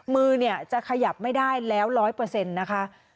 มือเนี่ยจะขยับไม่ได้แล้ว๑๐๐นะคะ